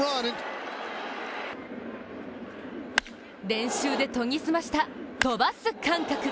練習で研ぎ澄ました飛ばす感覚。